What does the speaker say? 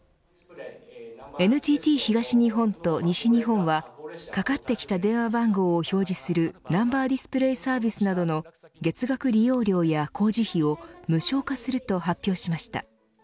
ＮＴＴ東日本と西日本はかかってきた電話番号を表示するナンバー・ディスプレイサービスなどの月額利用料や工事費を無償化すると発表しました。